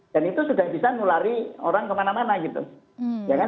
dan itu sudah bisa melari orang kemana mana saja ya kan